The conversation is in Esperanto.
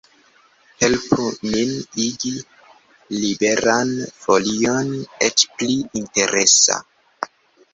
Helpu nin igi Liberan Folion eĉ pli interesa!